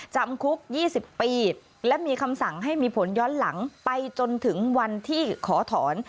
จำคุก๒๐ปีและมีคำสั่งให้มีผลย้อนหลังไปจนถึงวันที่ขอถอน